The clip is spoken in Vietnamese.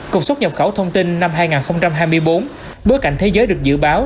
cục xuất nhập khẩu thông tin năm hai nghìn hai mươi bốn bối cảnh thế giới được dự báo